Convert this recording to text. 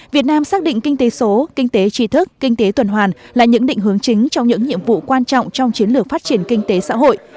việt nam xác định kinh tế số kinh tế trí thức kinh tế tuần hoàn là những định hướng chính trong những nhiệm vụ quan trọng trong chiến lược phát triển kinh tế xã hội